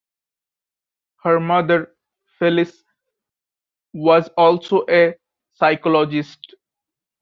Her mother, Felice, was also a psychologist.